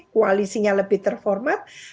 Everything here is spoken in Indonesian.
koalisinya lebih terformat